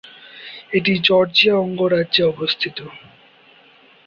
এটি জর্জিয়া অঙ্গরাজ্যে অবস্থিত।